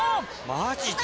マジで？